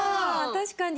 確かに。